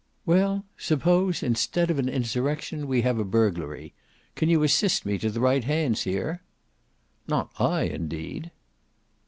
"Well suppose instead of an insurrection we have a burglary. Can you assist me to the right hands here?" "Not I indeed!"